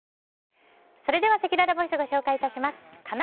それではせきららボイスをご紹介いたします。